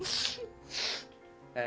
eh itu masih perih